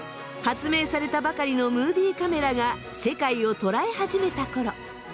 発明されたばかりのムービーカメラが世界を捉え始めた頃。